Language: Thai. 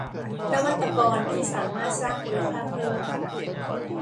นวัตกรที่สามารถสร้างมูลค่าเพิ่ม